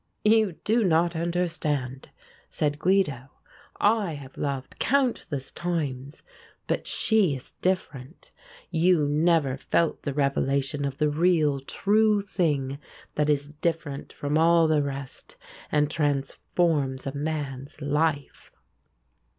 "You do not understand," said Guido. "I have loved countless times; but she is different. You never felt the revelation of the real, true thing that is different from all the rest and transforms a man's life."